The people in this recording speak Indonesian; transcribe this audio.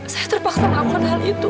saya terpaksa melakukan hal itu